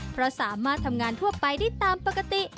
เพราะสามารถทำงานทั่วไปได้ตามปกติ